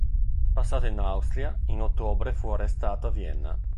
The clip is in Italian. Passato in Austria, in ottobre fu arrestato a Vienna.